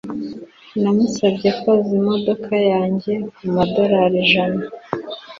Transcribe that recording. Namusabye koza imodoka yanjye kumadorari ijana.